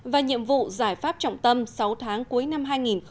và nhiệm vụ giải pháp trọng tâm sáu tháng cuối năm hai nghìn một mươi bảy